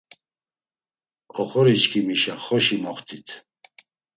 Oxoriçkimişa xoşi moxtit.